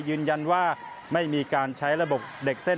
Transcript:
ยืนยันว่าไม่มีการใช้ระบบเด็กเส้น